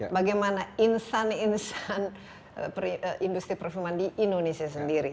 bagaimana insan insan industri perfilman di indonesia sendiri